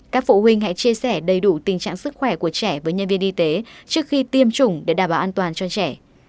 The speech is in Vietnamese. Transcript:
các phụ huynh hãy chia sẻ đầy đủ tình trạng sức khỏe của trẻ với nhân viên y tế trước khi tiêm chủng để đảm bảo an toàn cho trẻ